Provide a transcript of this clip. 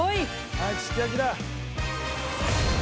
はいすき焼きだ！